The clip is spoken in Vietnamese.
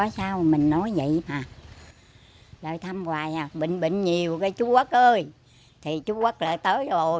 tội nghiệp có bệnh nhiều như vậy đó